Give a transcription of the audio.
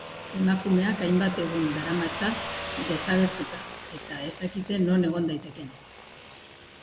Emakumeak hainbat egun daramatza desagertuta, eta ez dakite non egon daitekeen.